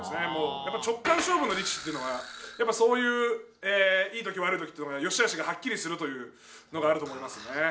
やっぱ直感勝負の力士っていうのはやっぱそういういい時悪い時っていうのがよしあしがはっきりするというのがあると思いますね。